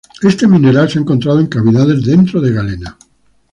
Este mineral se ha encontrado en cavidades dentro de galena.